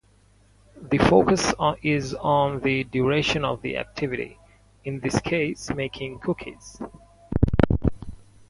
The focus is on the duration of the activity, in this case, making cookies.